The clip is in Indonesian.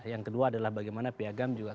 yang kedua adalah bagaimana piagam juga